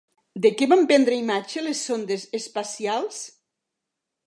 De què van prendre imatges les sondes espacials?